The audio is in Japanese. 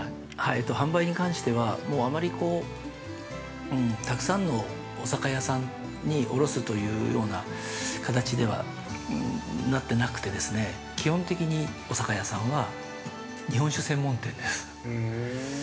◆販売に関しては、もうあまりたくさんのお酒屋さんに卸すというような形ではなってなくて基本的に、お酒屋さんは日本酒専門店です。